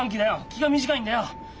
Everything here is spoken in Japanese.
気が短いんだよ。